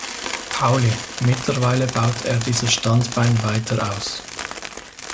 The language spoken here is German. Pauli; mittlerweile baut er dieses Standbein weiter aus.